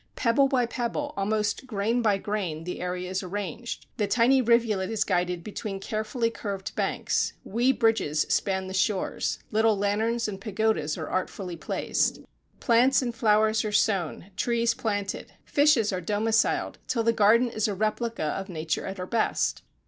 Pebble by pebble, almost grain by grain, the area is arranged, the tiny rivulet is guided between carefully curved banks, wee bridges span the shores, little lanterns and pagodas are artfully placed, plants and flowers are sown, trees planted, fishes are domiciled, till the garden is a replica of Nature at her best.